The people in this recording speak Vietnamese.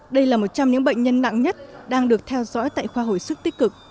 đây là một trong những bệnh nhân nặng nhất đang được theo dõi tại khoa hồi sức tích cực